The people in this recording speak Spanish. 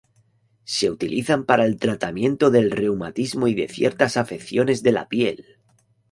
Se utilizan para el tratamiento del reumatismo y de ciertas afecciones de la piel.